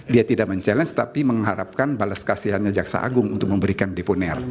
dia tidak mencabar tapi mengharapkan balas kasihannya jaksa agung untuk memberikan deponer